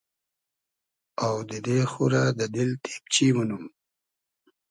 آودیدې خو رۂ دۂ دیل تېبچی مونوم